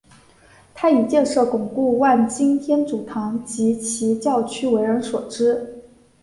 他以建设巩固万金天主堂及其教区为人所知。